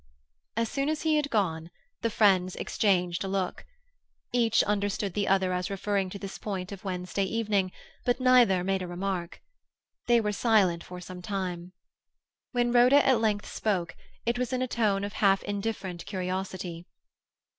As soon as he had gone, the friends exchanged a look. Each understood the other as referring to this point of Wednesday evening, but neither made a remark. They were silent for some time. When Rhoda at length spoke it was in a tone of half indifferent curiosity.